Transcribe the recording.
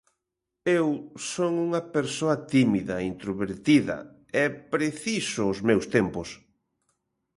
Eu son unha persoa tímida, introvertida, e preciso os meus tempos.